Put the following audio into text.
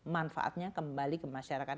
manfaatnya kembali ke masyarakat